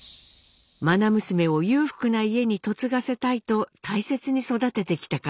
まな娘を裕福な家に嫁がせたいと大切に育ててきたからです。